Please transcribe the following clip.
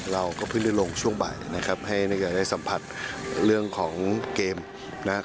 เราก็พึ่งด้วยโรงช่วงบ่ายนะครับให้ได้สัมผัสเรื่องของเกมนะครับ